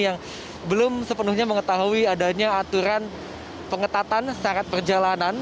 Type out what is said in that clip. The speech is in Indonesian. yang belum sepenuhnya mengetahui adanya aturan pengetatan syarat perjalanan